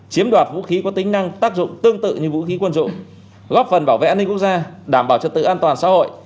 chiếm đoạt vũ khí có tính năng tác dụng tương tự như vũ khí quân dụng góp phần bảo vệ an ninh quốc gia đảm bảo trật tự an toàn xã hội